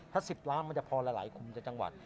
ถ้า๑๐ล้านมันจะพอละหลายคุมในจังหวัด